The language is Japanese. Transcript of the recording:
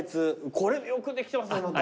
これよくできてますねまた。